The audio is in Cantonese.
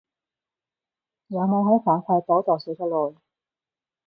有冇喺反饋簿度寫出來